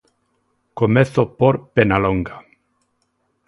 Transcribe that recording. Comezo por Penalonga.